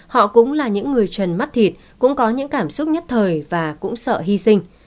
họ cũng là những người trần mắt thịt cũng có những cảm xúc nhất thời và cũng sợ hy sinh